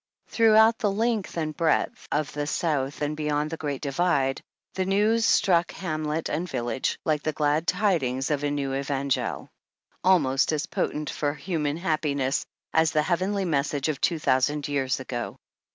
Throughout the length and breadth of the South, and beyond the Great Divide, the news struck hamlet and village like the glad tidings of a new evangel, almost as potent for human happiness as the heavenly message of two thousand years ago.